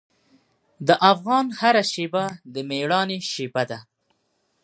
د افغان هره شېبه د میړانې شېبه ده.